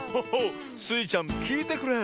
スイちゃんきいてくれ。